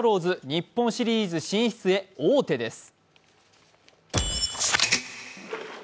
日本シリーズ進出へ王手です。